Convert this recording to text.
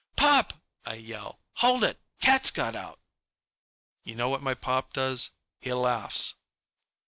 "Pop!" I yell. "Hold it! Cat's got out!" You know what my pop does? He laughs.